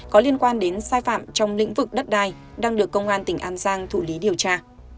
có liên quan đến sai phạm trong lĩnh vực đất đai đang được công an tỉnh an giang thụ lý điều tra